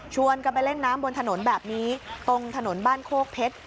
กันไปเล่นน้ำบนถนนแบบนี้ตรงถนนบ้านโคกเพชร